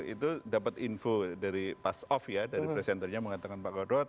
itu dapat info dari pas off ya dari presenter nya mengatakan pak gatot